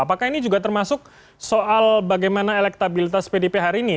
apakah ini juga termasuk soal bagaimana elektabilitas pdp hari ini